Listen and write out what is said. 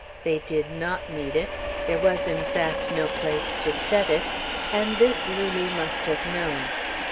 They did not need it, there was, in fact, no place to set it, and this Lulu must have known.